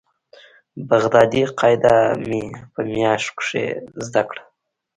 بغدادي قاعده مې په مياشت کښې زده کړه.